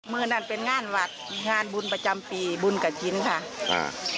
นั่นเป็นงานวัดงานบุญประจำปีบุญกับชิ้นค่ะอ่า